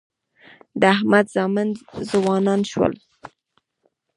د احمد زامن ځوانان شول.